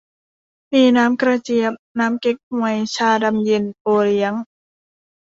มีน้ำกระเจี๊ยบ น้ำเก๊กฮวย ชาดำเย็น โอเลี้ยง